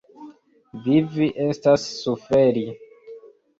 Vivi estas suferi.